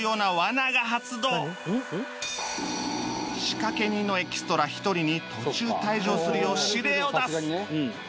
仕掛け人のエキストラ１人に途中退場するよう指令を出す